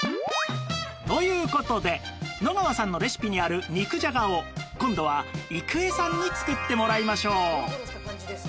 という事で野川さんのレシピにある肉じゃがを今度は郁恵さんに作ってもらいましょう